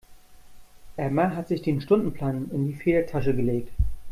Emma hat sich den Stundenplan in die Federtasche gelegt.